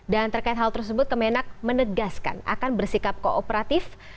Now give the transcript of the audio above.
dan terkait hal tersebut kemenak menegaskan akan bersikap kooperatif